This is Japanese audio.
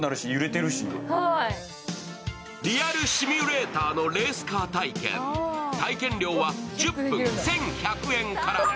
リアルシミュレーターのレース体験体験料は１０分１１００円から。